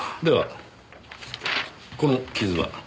ではこの傷は。